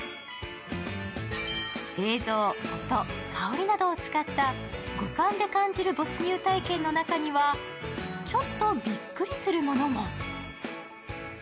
映像、音、香りなどを使った五感で感じる没入体験の中にはちょっとビックリするものも。